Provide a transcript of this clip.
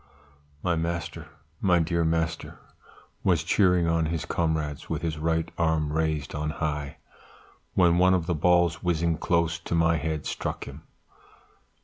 "My master, my dear master was cheering on his comrades with his right arm raised on high, when one of the balls whizzing close to my head struck him.